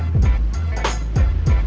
kita twitter yuk